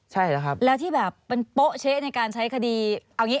เหรอแล้วที่แบบมันโป๊ะเช๊ะในการใช้คดีเอาอย่างนี้